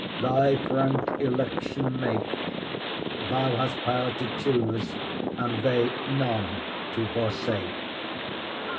Thy frank election make; Thou hast power to choose, and they none to forsake.